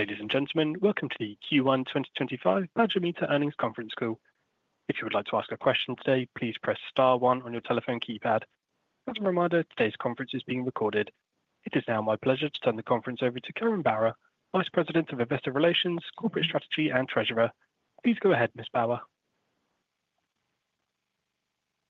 Ladies and gentlemen, welcome to the Q1 2025 Badger Meter Earnings Conference Call. If you would like to ask a question today, please press star one on your telephone keypad. As a reminder, today's conference is being recorded. It is now my pleasure to turn the conference over to Karen Bauer, Vice President of Investor Relations, Corporate Strategy, and Treasurer. Please go ahead, Ms. Bauer.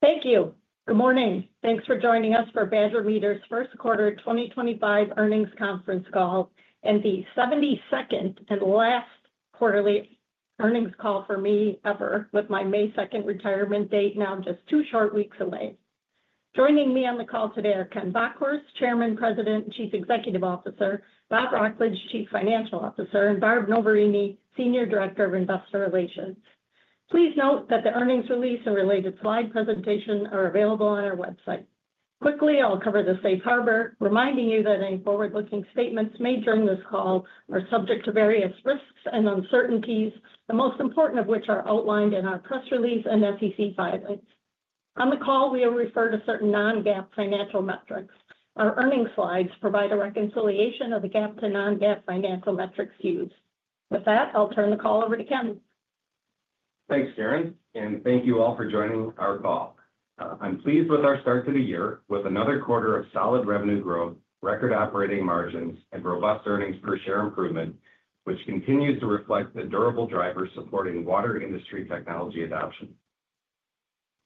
Thank you. Good morning. Thanks for joining us for Badger Meter's first quarter 2025 earnings conference call and the 72nd and last quarterly earnings call for me ever, with my May 2 retirement date now just two short weeks away. Joining me on the call today are Ken Bockhorst, Chairman, President, and Chief Executive Officer; Rob Rocklage, Chief Financial Officer; and Barb Noverini, Senior Director of Investor Relations. Please note that the earnings release and related slide presentation are available on our website. Quickly, I'll cover the safe harbor, reminding you that any forward-looking statements made during this call are subject to various risks and uncertainties, the most important of which are outlined in our press release and SEC filings. On the call, we will refer to certain non-GAAP financial metrics. Our earnings slides provide a reconciliation of the GAAP to non-GAAP financial metrics used. With that, I'll turn the call over to Ken. Thanks, Karen, and thank you all for joining our call. I'm pleased with our start to the year with another quarter of solid revenue growth, record operating margins, and robust earnings per share improvement, which continues to reflect the durable driver supporting water industry technology adoption.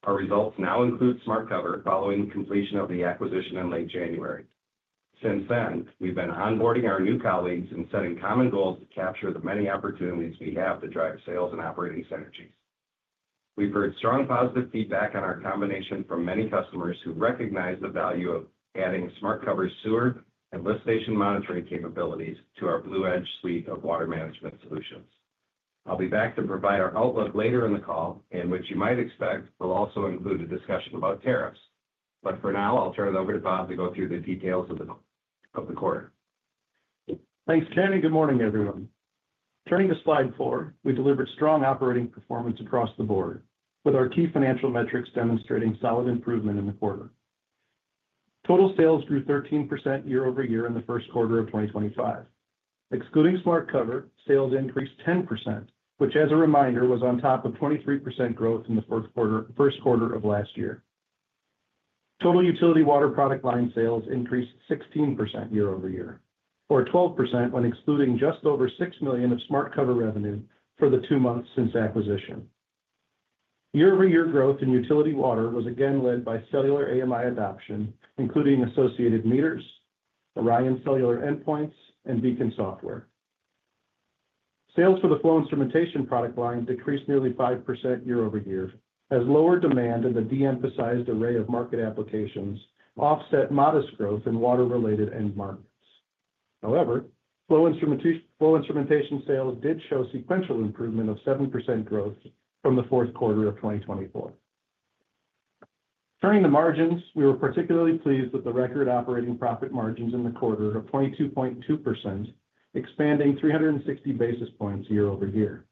Our results now include SmartCover following the completion of the acquisition in late January. Since then, we've been onboarding our new colleagues and setting common goals to capture the many opportunities we have to drive sales and operating synergies. We've heard strong positive feedback on our combination from many customers who recognize the value of adding SmartCover sewer and lift station monitoring capabilities to our BlueEdge suite of water management solutions. I'll be back to provide our outlook later in the call, which you might expect will also include a discussion about tariffs. For now, I'll turn it over to Rob to go through the details of the quarter. Thanks, Karen, and good morning, everyone. Turning to Slide Four, we delivered strong operating performance across the board, with our key financial metrics demonstrating solid improvement in the quarter. Total sales grew 13% year over year in the first quarter of 2025. Excluding SmartCover, sales increased 10%, which, as a reminder, was on top of 23% growth in the first quarter of last year. Total utility water product line sales increased 16% year over year, or 12% when excluding just over $6 million of SmartCover revenue for the two months since acquisition. Year-over-year growth in utility water was again led by cellular AMI adoption, including associated meters, Orion cellular endpoints, and Beacon software. Sales for the flow instrumentation product line decreased nearly 5% year over year, as lower demand and the de-emphasized array of market applications offset modest growth in water-related end markets. However, flow instrumentation sales did show sequential improvement of 7% growth from the fourth quarter of 2024. Turning to margins, we were particularly pleased with the record operating profit margins in the quarter of 22.2%, expanding 360 basis points year over year.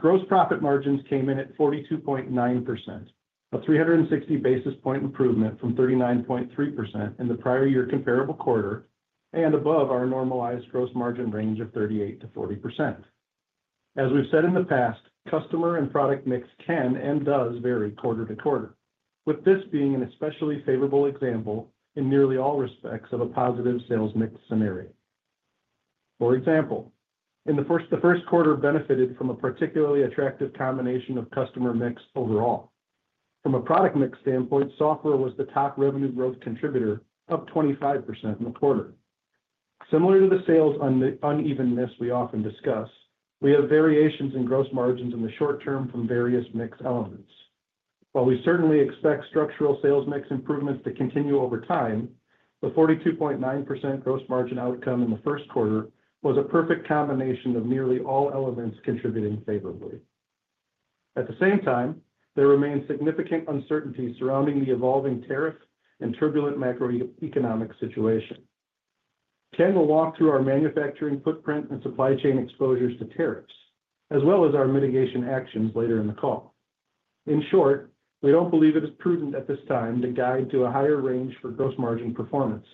Gross profit margins came in at 42.9%, a 360 basis point improvement from 39.3% in the prior year comparable quarter and above our normalized gross margin range of 38%-40%. As we've said in the past, customer and product mix can and does vary quarter to quarter, with this being an especially favorable example in nearly all respects of a positive sales mix scenario. For example, the first quarter benefited from a particularly attractive combination of customer mix overall. From a product mix standpoint, software was the top revenue growth contributor of 25% in the quarter. Similar to the sales unevenness we often discuss, we have variations in gross margins in the short term from various mix elements. While we certainly expect structural sales mix improvements to continue over time, the 42.9% gross margin outcome in the first quarter was a perfect combination of nearly all elements contributing favorably. At the same time, there remains significant uncertainty surrounding the evolving tariff and turbulent macroeconomic situation. Ken will walk through our manufacturing footprint and supply chain exposures to tariffs, as well as our mitigation actions later in the call. In short, we do not believe it is prudent at this time to guide to a higher range for gross margin performance,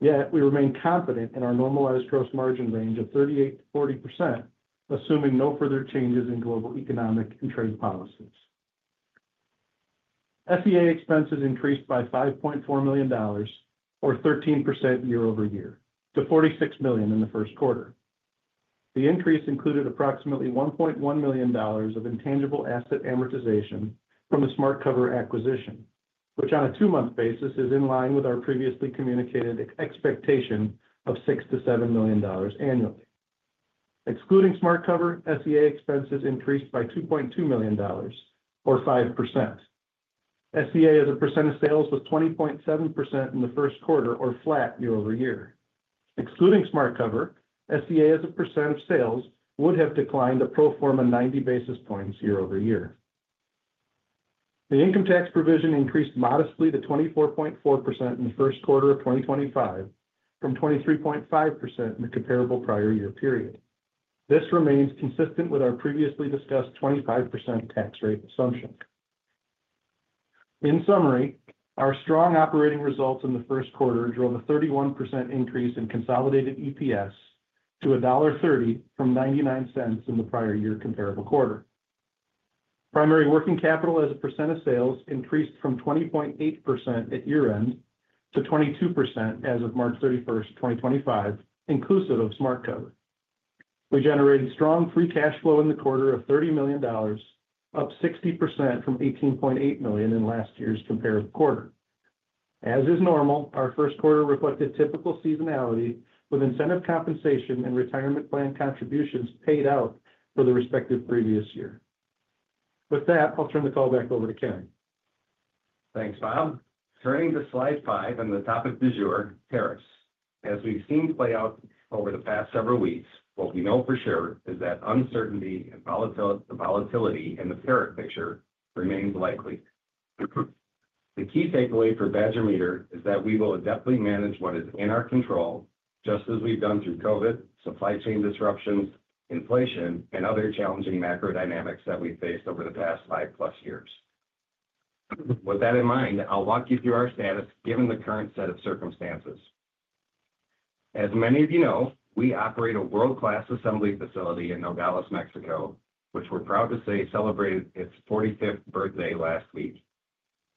yet we remain confident in our normalized gross margin range of 38%-40%, assuming no further changes in global economic and trade policies. FEA expenses increased by $5.4 million, or 13% year over year, to $46 million in the first quarter. The increase included approximately $1.1 million of intangible asset amortization from the SmartCover acquisition, which on a two-month basis is in line with our previously communicated expectation of $6-$7 million annually. Excluding SmartCover, FEA expenses increased by $2.2 million, or 5%. FEA as a percent of sales was 20.7% in the first quarter, or flat year over year. Excluding SmartCover, FEA as a percent of sales would have declined a pro forma 90 basis points year over year. The income tax provision increased modestly to 24.4% in the first quarter of 2025, from 23.5% in the comparable prior year period. This remains consistent with our previously discussed 25% tax rate assumption. In summary, our strong operating results in the first quarter drove a 31% increase in consolidated EPS to $1.30 from $0.99 in the prior year comparable quarter. Primary working capital as a percent of sales increased from 20.8% at year-end to 22% as of March 31, 2025, inclusive of SmartCover. We generated strong free cash flow in the quarter of $30 million, up 60% from $18.8 million in last year's comparable quarter. As is normal, our first quarter reflected typical seasonality with incentive compensation and retirement plan contributions paid out for the respective previous year. With that, I'll turn the call back over to Karen. Thanks, Rob. Turning to slide five and the topic du jour, tariffs. As we've seen play out over the past several weeks, what we know for sure is that uncertainty and volatility in the tariff picture remains likely. The key takeaway for Badger Meter is that we will adeptly manage what is in our control, just as we've done through COVID, supply chain disruptions, inflation, and other challenging macro dynamics that we've faced over the past five-plus years. With that in mind, I'll walk you through our status given the current set of circumstances. As many of you know, we operate a world-class assembly facility in Nogales, Mexico, which we're proud to say celebrated its 45th birthday last week.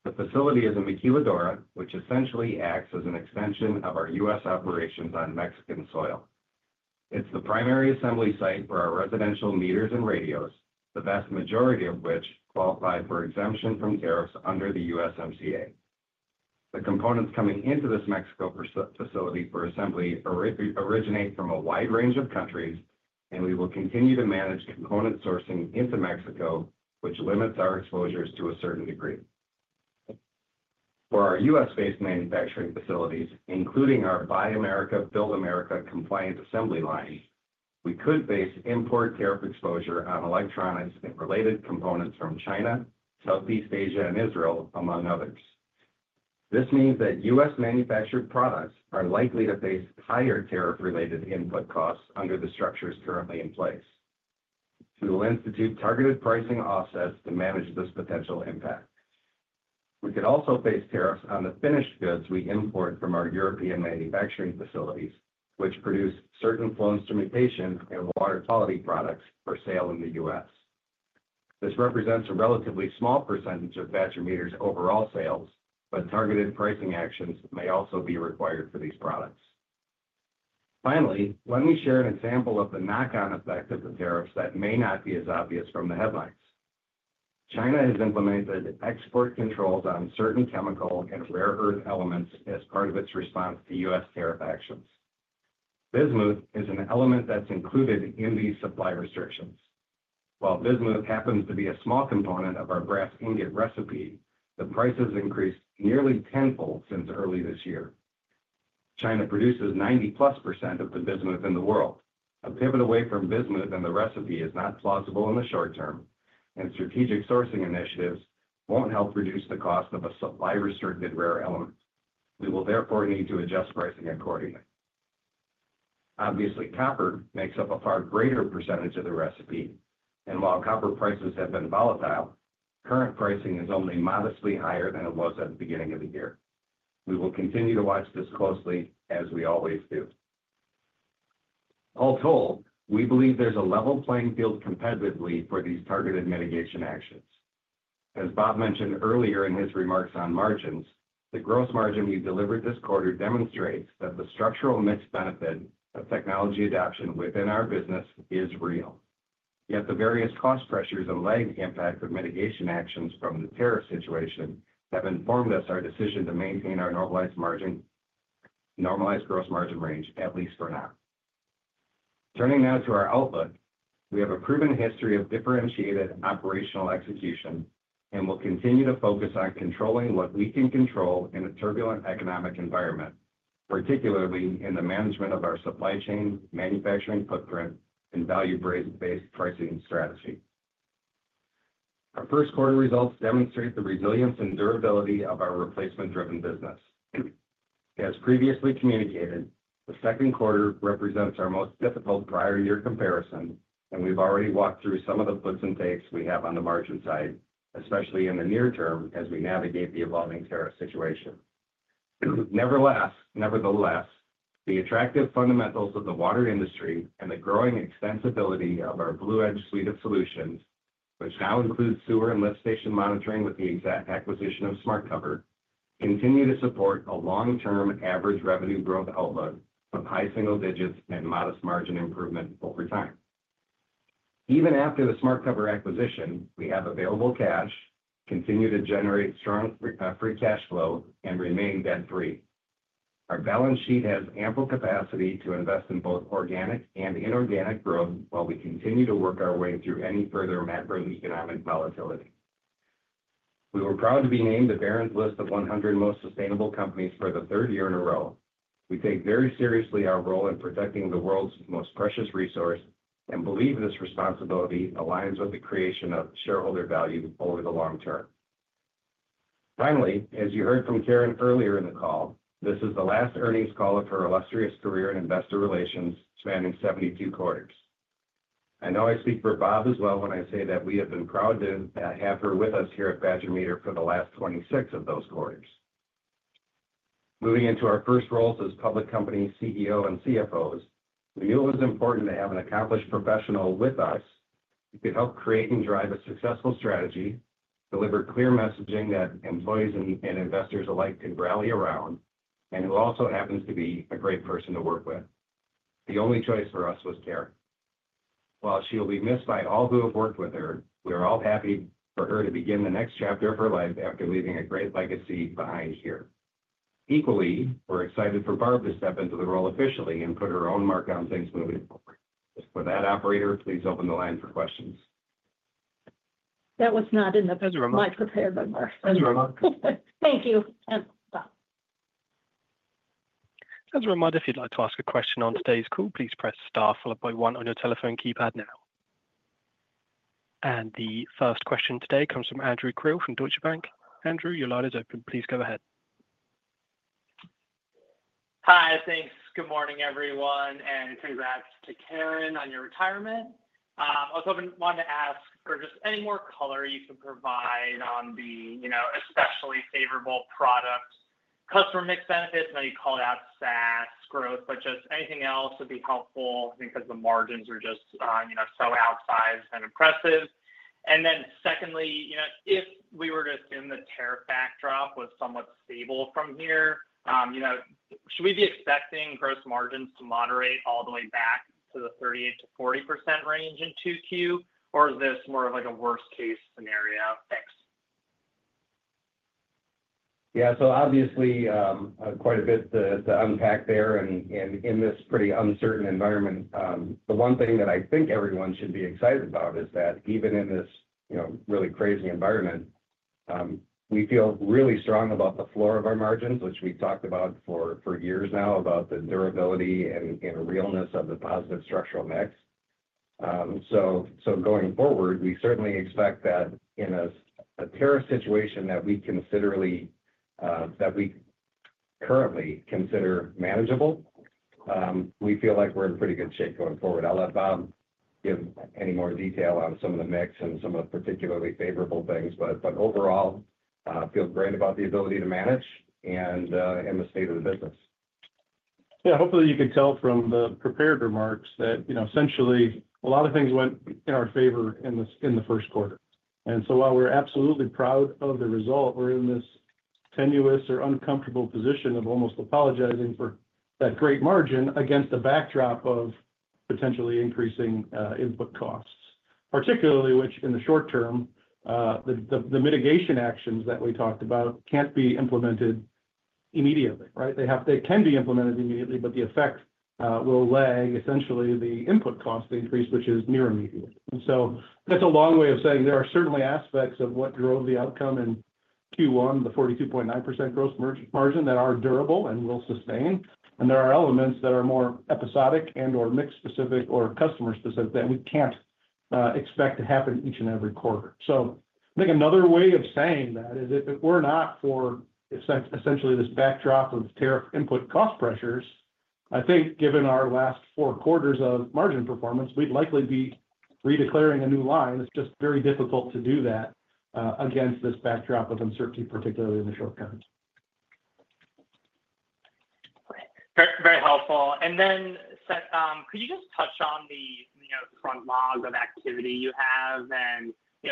The facility is in Maquiladora, which essentially acts as an extension of our U.S. operations on Mexican soil. It's the primary assembly site for our residential meters and radios, the vast majority of which qualify for exemption from tariffs under the USMCA. The components coming into this Mexico facility for assembly originate from a wide range of countries, and we will continue to manage component sourcing into Mexico, which limits our exposures to a certain degree. For our U.S.-based manufacturing facilities, including our Buy America, Build America compliant assembly lines, we could face import tariff exposure on electronics and related components from China, Southeast Asia, and Israel, among others. This means that U.S.-manufactured products are likely to face higher tariff-related input costs under the structures currently in place. We will institute targeted pricing offsets to manage this potential impact. We could also face tariffs on the finished goods we import from our European manufacturing facilities, which produce certain flow instrumentation and water quality products for sale in the U.S. This represents a relatively small percentage of Badger Meter's overall sales, but targeted pricing actions may also be required for these products. Finally, let me share an example of the knock-on effect of the tariffs that may not be as obvious from the headlines. China has implemented export controls on certain chemical and rare earth elements as part of its response to U.S. tariff actions. Bismuth is an element that's included in these supply restrictions. While bismuth happens to be a small component of our brass ingot recipe, the price has increased nearly tenfold since early this year. China produces 90+% of the bismuth in the world. A pivot away from bismuth in the recipe is not plausible in the short term, and strategic sourcing initiatives will not help reduce the cost of a supply-restricted rare element. We will therefore need to adjust pricing accordingly. Obviously, copper makes up a far greater percentage of the recipe, and while copper prices have been volatile, current pricing is only modestly higher than it was at the beginning of the year. We will continue to watch this closely, as we always do. All told, we believe there is a level playing field competitively for these targeted mitigation actions. As Rob mentioned earlier in his remarks on margins, the gross margin we delivered this quarter demonstrates that the structural mix benefit of technology adoption within our business is real. Yet the various cost pressures and lagging impact of mitigation actions from the tariff situation have informed us our decision to maintain our normalized gross margin range, at least for now. Turning now to our outlook, we have a proven history of differentiated operational execution and will continue to focus on controlling what we can control in a turbulent economic environment, particularly in the management of our supply chain, manufacturing footprint, and value-based pricing strategy. Our first quarter results demonstrate the resilience and durability of our replacement-driven business. As previously communicated, the second quarter represents our most difficult prior year comparison, and we've already walked through some of the flips and takes we have on the margin side, especially in the near term as we navigate the evolving tariff situation. Nevertheless, the attractive fundamentals of the water industry and the growing extensibility of our BlueEdge suite of solutions, which now includes sewer and lift station monitoring with the exact acquisition of SmartCover, continue to support a long-term average revenue growth outlook of high single digits and modest margin improvement over time. Even after the SmartCover acquisition, we have available cash, continue to generate strong free cash flow, and remain debt-free. Our balance sheet has ample capacity to invest in both organic and inorganic growth while we continue to work our way through any further macroeconomic volatility. We were proud to be named the Barron's List of 100 Most Sustainable Companies for the third year in a row. We take very seriously our role in protecting the world's most precious resource and believe this responsibility aligns with the creation of shareholder value over the long term. Finally, as you heard from Karen earlier in the call, this is the last earnings call of her illustrious career in investor relations spanning 72 quarters. I know I speak for Rob as well when I say that we have been proud to have her with us here at Badger Meter for the last 26 of those quarters. Moving into our first roles as public company CEO and CFOs, we knew it was important to have an accomplished professional with us who could help create and drive a successful strategy, deliver clear messaging that employees and investors alike can rally around, and who also happens to be a great person to work with. The only choice for us was Karen. While she will be missed by all who have worked with her, we are all happy for her to begin the next chapter of her life after leaving a great legacy behind here. Equally, we're excited for Barb to step into the role officially and put her own mark on things moving forward. For that, operator, please open the line for questions. That was not in the. That's a remark. My prepared remark. That's a remark. Thank you. Rob. That's a remark. If you'd like to ask a question on today's call, please press star followed by one on your telephone keypad now. The first question today comes from Andrew Krill from Deutsche Bank. Andrew, your line is open. Please go ahead. Hi, thanks. Good morning, everyone. Congrats to Karen on your retirement. I also wanted to ask for just any more color you can provide on the especially favorable product customer mix benefits. I know you called out SaaS growth, but just anything else would be helpful because the margins are just so outsized and impressive. Secondly, if we were to assume the tariff backdrop was somewhat stable from here, should we be expecting gross margins to moderate all the way back to the 38%-40% range in Q2, or is this more of a worst-case scenario? Thanks. Yeah. Obviously, quite a bit to unpack there. In this pretty uncertain environment, the one thing that I think everyone should be excited about is that even in this really crazy environment, we feel really strong about the floor of our margins, which we've talked about for years now, about the durability and realness of the positive structural mix. Going forward, we certainly expect that in a tariff situation that we currently consider manageable, we feel like we're in pretty good shape going forward. I'll let Rob give any more detail on some of the mix and some of the particularly favorable things, but overall, I feel great about the ability to manage and the state of the business. Yeah. Hopefully, you can tell from the prepared remarks that essentially a lot of things went in our favor in the first quarter. While we're absolutely proud of the result, we're in this tenuous or uncomfortable position of almost apologizing for that great margin against the backdrop of potentially increasing input costs, particularly which in the short term, the mitigation actions that we talked about can't be implemented immediately, right? They can be implemented immediately, but the effect will lag essentially the input cost increase, which is near immediate. That's a long way of saying there are certainly aspects of what drove the outcome in Q1, the 42.9% gross margin, that are durable and will sustain. There are elements that are more episodic and/or mix-specific or customer-specific that we can't expect to happen each and every quarter. I think another way of saying that is if it were not for essentially this backdrop of tariff input cost pressures, I think given our last four quarters of margin performance, we'd likely be redeclaring a new line. It's just very difficult to do that against this backdrop of uncertainty, particularly in the short term. Very helpful. Could you just touch on the front log of activity you have?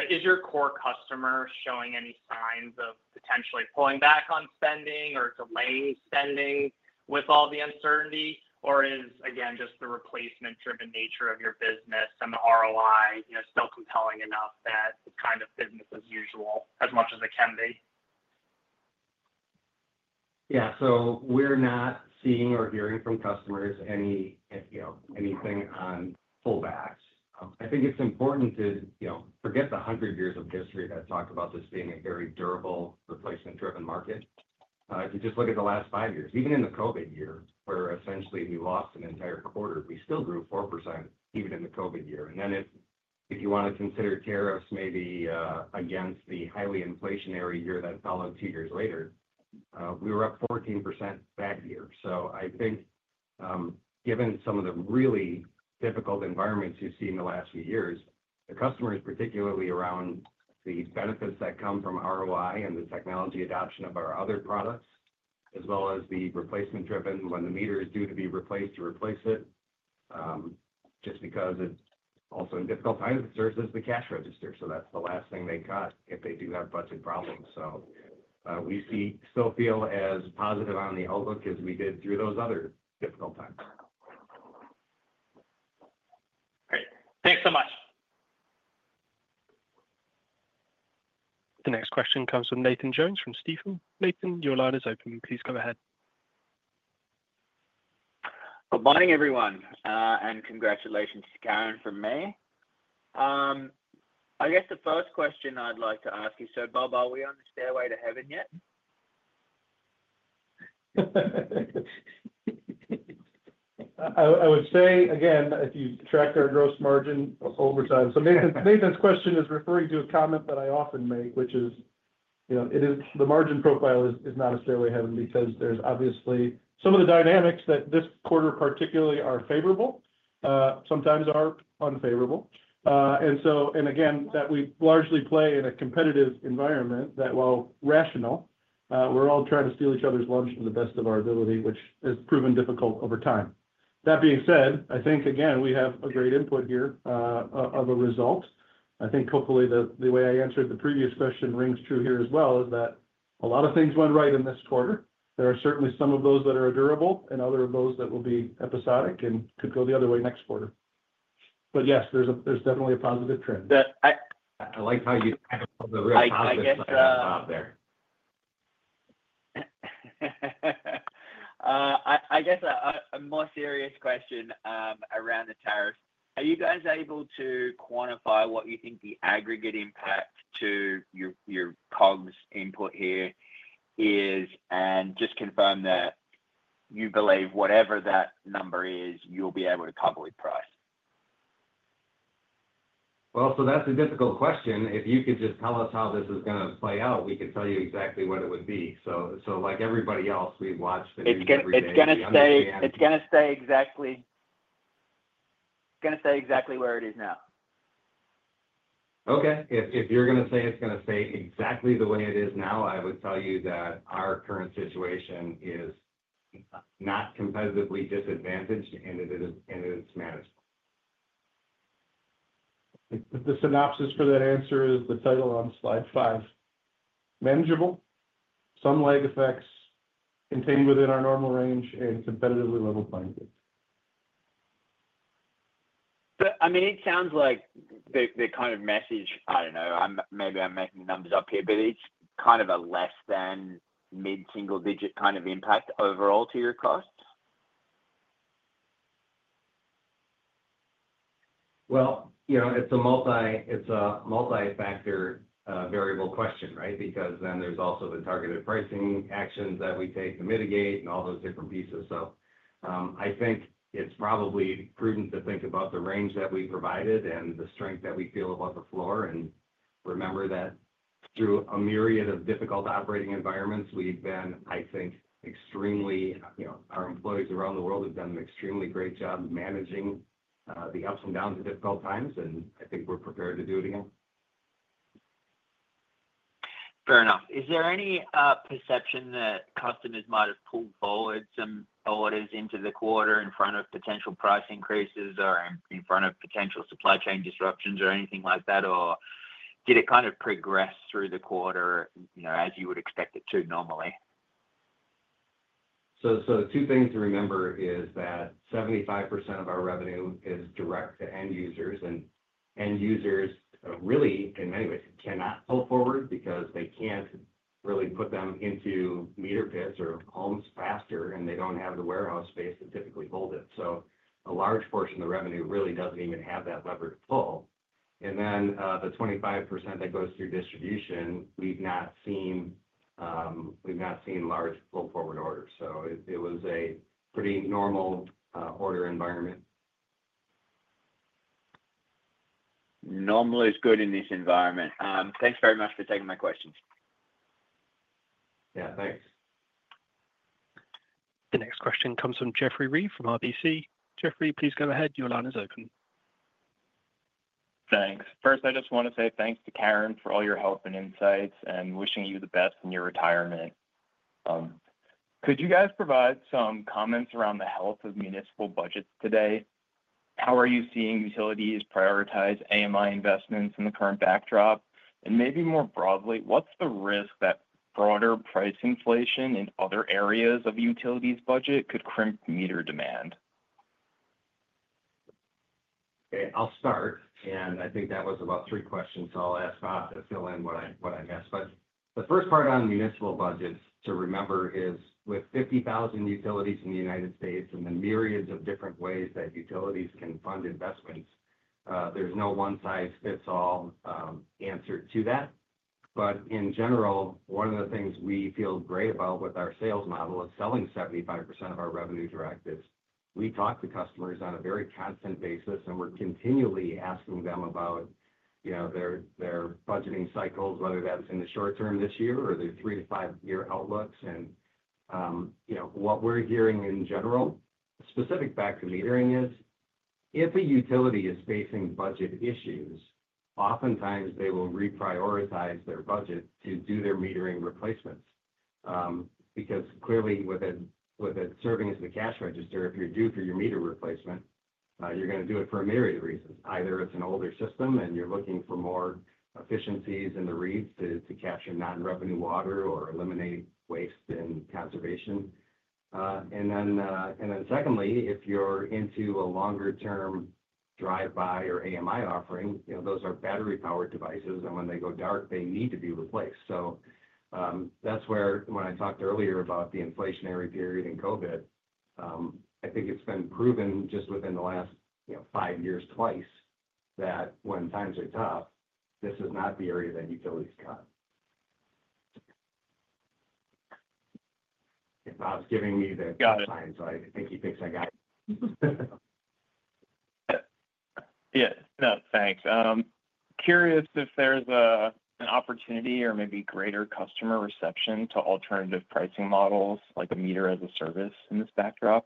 Is your core customer showing any signs of potentially pulling back on spending or delaying spending with all the uncertainty? Or is, again, just the replacement-driven nature of your business and the ROI still compelling enough that it's kind of business as usual as much as it can be? Yeah. We're not seeing or hearing from customers anything on pullbacks. I think it's important to forget the hundred years of history that talked about this being a very durable replacement-driven market. If you just look at the last five years, even in the COVID year where essentially we lost an entire quarter, we still grew 4% even in the COVID year. If you want to consider tariffs maybe against the highly inflationary year that followed two years later, we were up 14% that year. I think given some of the really difficult environments you've seen the last few years, the customers, particularly around the benefits that come from ROI and the technology adoption of our other products, as well as the replacement-driven, when the meter is due to be replaced, to replace it just because it's also in difficult times, it serves as the cash register. That's the last thing they cut if they do have budget problems. We still feel as positive on the outlook as we did through those other difficult times. Great. Thanks so much. The next question comes from Nathan Jones from Stifel. Nathan, your line is open. Please go ahead. Good morning, everyone. Congratulations to Karen from May. I guess the first question I'd like to ask you, so Rob, are we on the stairway to heaven yet? I would say, again, if you track our gross margin over time. Nathan's question is referring to a comment that I often make, which is the margin profile is not necessarily heaven because there's obviously some of the dynamics that this quarter particularly are favorable, sometimes are unfavorable. We largely play in a competitive environment that, while rational, we're all trying to steal each other's lunch to the best of our ability, which has proven difficult over time. That being said, I think, again, we have a great input here of a result. I think hopefully the way I answered the previous question rings true here as well is that a lot of things went right in this quarter. There are certainly some of those that are durable and other of those that will be episodic and could go the other way next quarter. Yes, there's definitely a positive trend. I like how you kind of put the real positive in Rob there. I guess a more serious question around the tariffs. Are you guys able to quantify what you think the aggregate impact to your COGS input here is and just confirm that you believe whatever that number is, you'll be able to cover with price? That is a difficult question. If you could just tell us how this is going to play out, we could tell you exactly what it would be. Like everybody else, we watch the news every day. It's going to stay exactly where it is now. Okay. If you're going to say it's going to stay exactly the way it is now, I would tell you that our current situation is not competitively disadvantaged and it is manageable. The synopsis for that answer is the title on slide five. Manageable, some lag effects contained within our normal range and competitively level playing field. I mean, it sounds like the kind of message, I don't know, maybe I'm making the numbers up here, but it's kind of a less than mid-single digit kind of impact overall to your costs? It's a multi-factor variable question, right? Because then there's also the targeted pricing actions that we take to mitigate and all those different pieces. I think it's probably prudent to think about the range that we provided and the strength that we feel about the floor and remember that through a myriad of difficult operating environments, we've been, I think, extremely, our employees around the world have done an extremely great job managing the ups and downs of difficult times, and I think we're prepared to do it again. Fair enough. Is there any perception that customers might have pulled forward some orders into the quarter in front of potential price increases or in front of potential supply chain disruptions or anything like that? Or did it kind of progress through the quarter as you would expect it to normally? Two things to remember is that 75% of our revenue is direct to end users. End users really, in many ways, cannot pull forward because they can't really put them into meter pits or homes faster, and they don't have the warehouse space to typically hold it. A large portion of the revenue really doesn't even have that lever to pull. The 25% that goes through distribution, we've not seen large pull-forward orders. It was a pretty normal order environment. Normal is good in this environment. Thanks very much for taking my questions. Yeah. Thanks. The next question comes from Jeffrey Reive from RBC. Jeffrey, please go ahead. Your line is open. Thanks. First, I just want to say thanks to Karen for all your help and insights and wishing you the best in your retirement. Could you guys provide some comments around the health of municipal budgets today? How are you seeing utilities prioritize AMI investments in the current backdrop? Maybe more broadly, what's the risk that broader price inflation in other areas of utilities' budget could crimp meter demand? Okay. I'll start. I think that was about three questions. I'll ask Rob to fill in what I missed. The first part on municipal budgets to remember is with 50,000 utilities in the United States and the myriads of different ways that utilities can fund investments, there's no one-size-fits-all answer to that. In general, one of the things we feel great about with our sales model of selling 75% of our revenue direct is we talk to customers on a very constant basis, and we're continually asking them about their budgeting cycles, whether that's in the short term this year or their three to five-year outlooks. What we're hearing in general, specific back to metering, is if a utility is facing budget issues, oftentimes they will reprioritize their budget to do their metering replacements. Because clearly, with it serving as the cash register, if you're due for your meter replacement, you're going to do it for a myriad of reasons. Either it's an older system and you're looking for more efficiencies in the reads to capture non-revenue water or eliminate waste and conservation. Secondly, if you're into a longer-term drive-by or AMI offering, those are battery-powered devices, and when they go dark, they need to be replaced. That's where when I talked earlier about the inflationary period in COVID, I think it's been proven just within the last five years twice that when times are tough, this is not the area that utilities cut. If Rob's giving me the signs, I think he thinks I got it. Yeah. No, thanks. Curious if there's an opportunity or maybe greater customer reception to alternative pricing models like a meter as a service in this backdrop.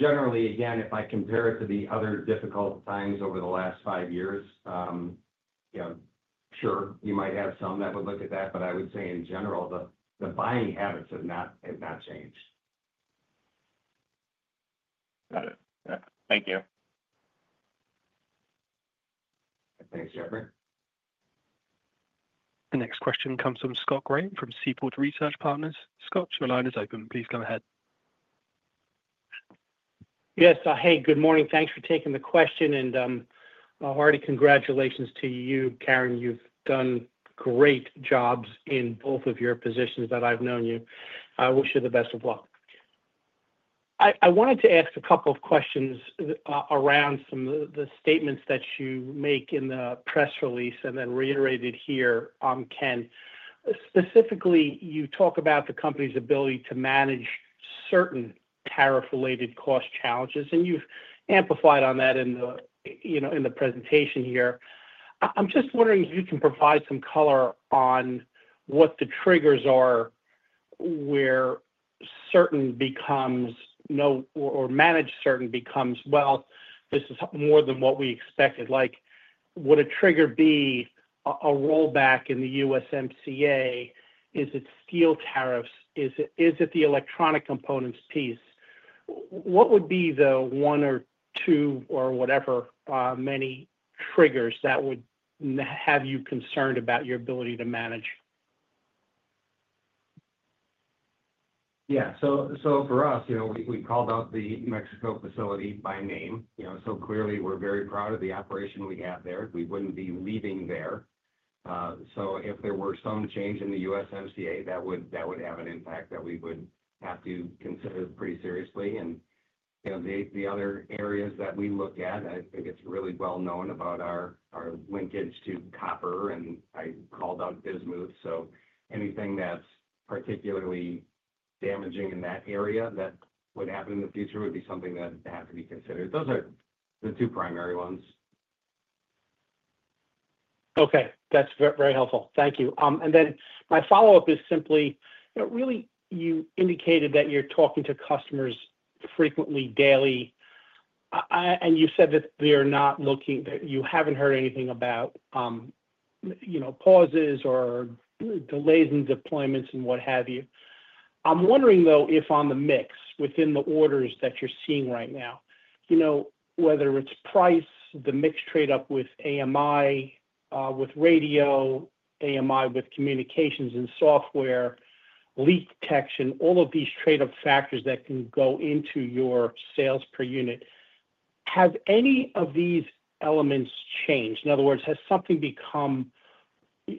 Generally, again, if I compare it to the other difficult times over the last five years, sure, you might have some that would look at that, but I would say in general, the buying habits have not changed. Got it. Thank you. Thanks, Jeffrey. The next question comes from Scott Graham from Seaport Research Partners. Scott, your line is open. Please go ahead. Yes. Hey, good morning. Thanks for taking the question. Already, congratulations to you, Karen. You've done great jobs in both of your positions that I've known you. I wish you the best of luck. I wanted to ask a couple of questions around some of the statements that you make in the press release and then reiterated here on Ken. Specifically, you talk about the company's ability to manage certain tariff-related cost challenges, and you've amplified on that in the presentation here. I'm just wondering if you can provide some color on what the triggers are where certain becomes or manage certain becomes, "Well, this is more than what we expected." Would a trigger be a rollback in the USMCA? Is it steel tariffs? Is it the electronic components piece? What would be the one or two or whatever many triggers that would have you concerned about your ability to manage? Yeah. For us, we called out the Mexico facility by name. Clearly, we're very proud of the operation we have there. We wouldn't be leaving there. If there were some change in the USMCA, that would have an impact that we would have to consider pretty seriously. The other areas that we look at, I think it's really well known about our linkage to copper, and I called out bismuth. Anything that's particularly damaging in that area that would happen in the future would be something that has to be considered. Those are the two primary ones. Okay. That's very helpful. Thank you. My follow-up is simply, really, you indicated that you're talking to customers frequently daily, and you said that they're not looking, that you haven't heard anything about pauses or delays in deployments and what have you. I'm wondering, though, if on the mix within the orders that you're seeing right now, whether it's price, the mix trade-up with AMI, with radio, AMI with communications and software, leak detection, all of these trade-up factors that can go into your sales per unit, have any of these elements changed? In other words, has something become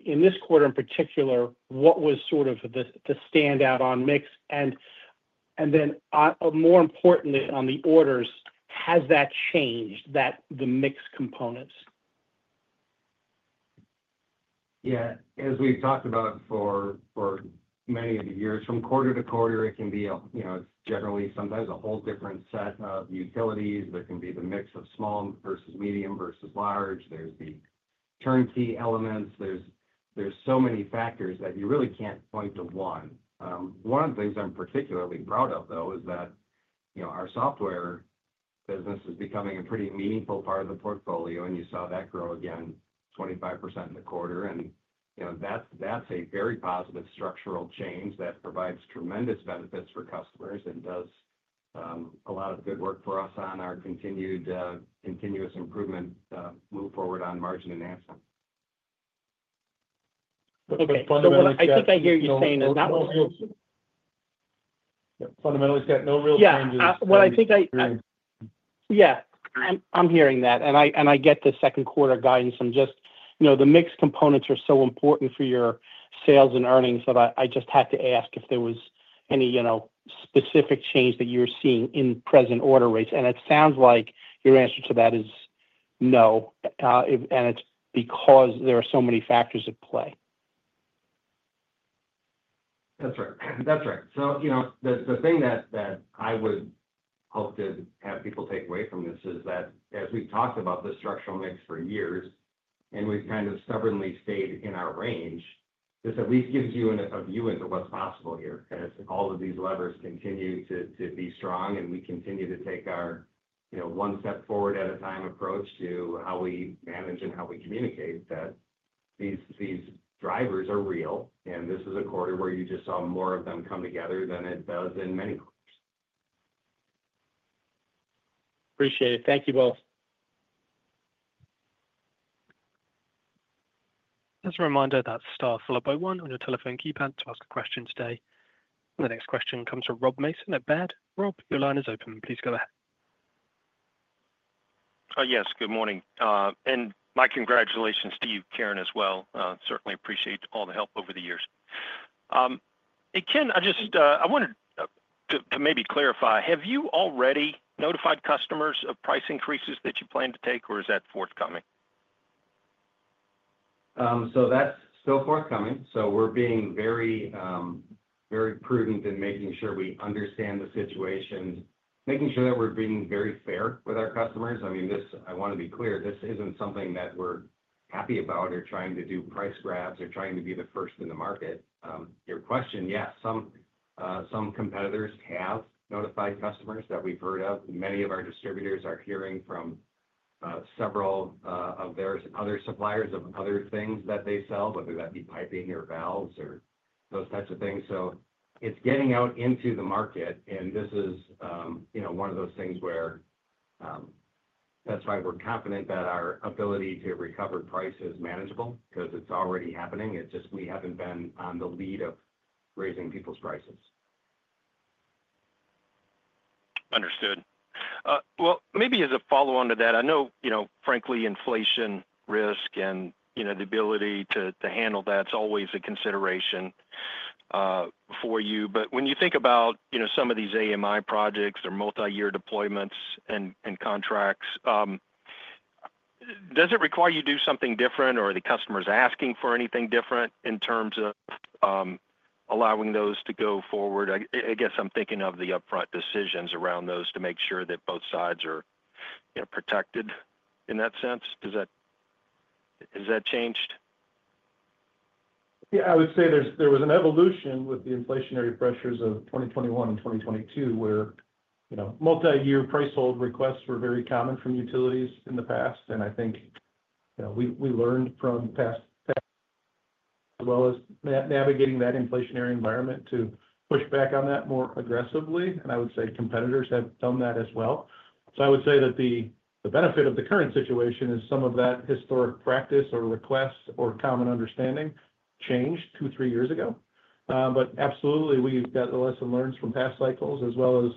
in this quarter in particular, what was sort of the standout on mix? More importantly, on the orders, has that changed, the mix components? Yeah. As we've talked about for many of the years, from quarter to quarter, it can be generally sometimes a whole different set of utilities. There can be the mix of small versus medium versus large. There's the turnkey elements. There are so many factors that you really can't point to one. One of the things I'm particularly proud of, though, is that our software business is becoming a pretty meaningful part of the portfolio, and you saw that grow again 25% in the quarter. That's a very positive structural change that provides tremendous benefits for customers and does a lot of good work for us on our continuous improvement move forward on margin enhancement. Fundamentally, I think I hear you saying there's not. Fundamentally, it's got no real changes. Yeah. I think I yeah. I'm hearing that. I get the second quarter guidance from just the mixed components are so important for your sales and earnings, but I just had to ask if there was any specific change that you're seeing in present order rates. It sounds like your answer to that is no. It's because there are so many factors at play. That's right. That's right. The thing that I would hope to have people take away from this is that as we've talked about the structural mix for years and we've kind of stubbornly stayed in our range, this at least gives you a view into what's possible here. If all of these levers continue to be strong and we continue to take our one step forward at a time approach to how we manage and how we communicate that these drivers are real, this is a quarter where you just saw more of them come together than it does in many quarters. Appreciate it. Thank you both. As a reminder. That's star followed by zero on your telephone keypad to ask a question today. The next question comes from Rob Mason at Bank of America. Rob, your line is open. Please go ahead. Yes. Good morning. My congratulations to you, Karen, as well. Certainly appreciate all the help over the years. Ken, I wanted to maybe clarify. Have you already notified customers of price increases that you plan to take, or is that forthcoming? That's still forthcoming. We're being very prudent in making sure we understand the situation, making sure that we're being very fair with our customers. I mean, I want to be clear. This isn't something that we're happy about or trying to do price grabs or trying to be the first in the market. Your question, yes, some competitors have notified customers that we've heard of. Many of our distributors are hearing from several of their other suppliers of other things that they sell, whether that be piping or valves or those types of things. It's getting out into the market, and this is one of those things where that's why we're confident that our ability to recover price is manageable because it's already happening. It's just we haven't been on the lead of raising people's prices. Understood. Maybe as a follow-on to that, I know, frankly, inflation risk and the ability to handle that is always a consideration for you. When you think about some of these AMI projects or multi-year deployments and contracts, does it require you to do something different, or are the customers asking for anything different in terms of allowing those to go forward? I guess I am thinking of the upfront decisions around those to make sure that both sides are protected in that sense. Has that changed? Yeah. I would say there was an evolution with the inflationary pressures of 2021 and 2022 where multi-year price hold requests were very common from utilities in the past. I think we learned from past as well as navigating that inflationary environment to push back on that more aggressively. I would say competitors have done that as well. I would say that the benefit of the current situation is some of that historic practice or request or common understanding changed two, three years ago. Absolutely, we've got the lesson learned from past cycles as well as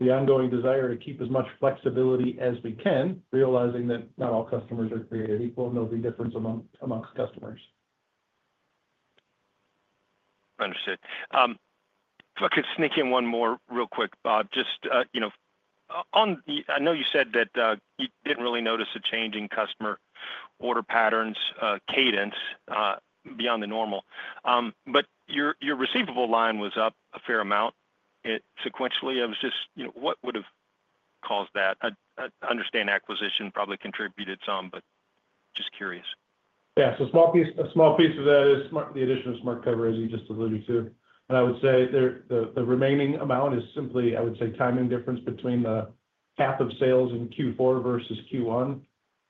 the ongoing desire to keep as much flexibility as we can, realizing that not all customers are created equal and there'll be difference amongst customers. Understood. If I could sneak in one more real quick, Rob, just on I know you said that you did not really notice a change in customer order patterns cadence beyond the normal. Your receivable line was up a fair amount sequentially. I was just what would have caused that? I understand acquisition probably contributed some, just curious. Yeah. A small piece of that is the addition of SmartCover, as you just alluded to. I would say the remaining amount is simply, I would say, timing difference between the path of sales in Q4 versus Q1.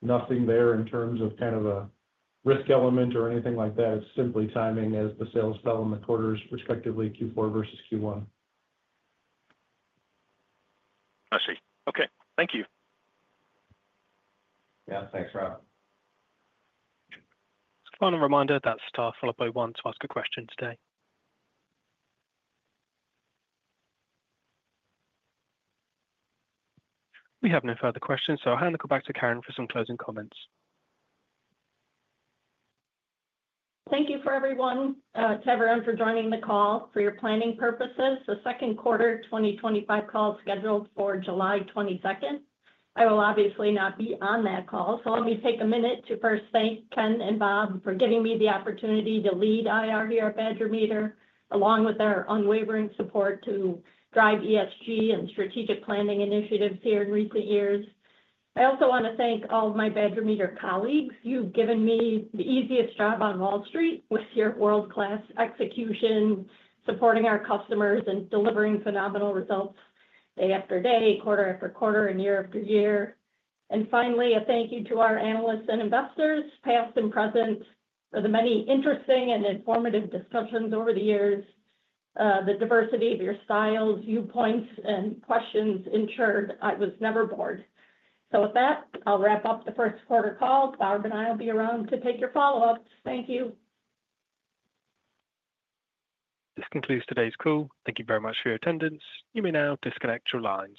Nothing there in terms of kind of a risk element or anything like that. It is simply timing as the sales fell in the quarters, respectively, Q4 versus Q1. I see. Okay. Thank you. Yeah. Thanks, Rob. On to reminder, that is star follow by one to ask a question today. We have no further questions, so I'll hand the call back to Karen for some closing comments. Thank you to everyone for joining the call. For your planning purposes, the second quarter 2025 call is scheduled for July 22. I will obviously not be on that call, so let me take a minute to first thank Ken and Rob for giving me the opportunity to lead IR here at Badger Meter, along with their unwavering support to drive ESG and strategic planning initiatives here in recent years. I also want to thank all of my Badger Meter colleagues. You've given me the easiest job on Wall Street with your world-class execution, supporting our customers and delivering phenomenal results day after day, quarter after quarter, and year after year. Finally, a thank you to our analysts and investors, past and present, for the many interesting and informative discussions over the years. The diversity of your styles, viewpoints, and questions ensured I was never bored. With that, I'll wrap up the first quarter call. Rob and I will be around to take your follow-ups. Thank you. This concludes today's call. Thank you very much for your attendance. You may now disconnect your lines.